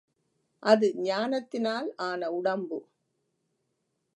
அது ஞானத்தினால் ஆன உடம்பு.